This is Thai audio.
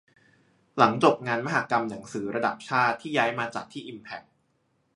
หลังจบงานมหกรรมหนังสือระดับชาติ ที่ย้ายมาจัดที่อิมแพ็ค